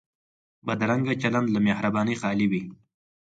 بدرنګه چلند له مهربانۍ خالي وي